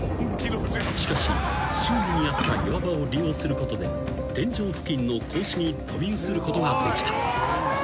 ［しかし周囲にあった岩場を利用することで天井付近の格子に飛び移ることができた］